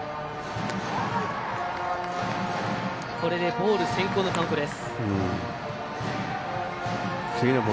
ボール先行のカウントです。